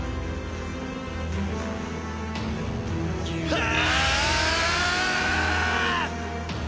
ああ！